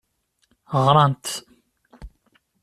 Ɣrant.